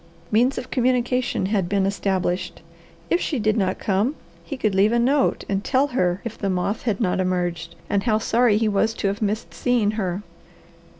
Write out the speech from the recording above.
Means of communication had been established. If she did not come, he could leave a note and tell her if the moth had not emerged and how sorry he was to have missed seeing her.